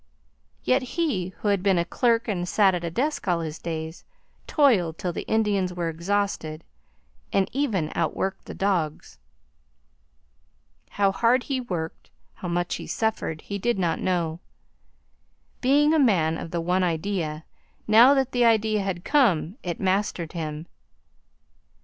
Yet he, who had been a clerk and sat at a desk all his days, toiled till the Indians were exhausted, and even out worked the dogs. How hard he worked, how much he suffered, he did not know. Being a man of the one idea, now that the idea had come, it mastered him.